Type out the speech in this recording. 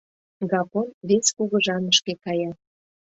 Гапон вес кугыжанышке кая.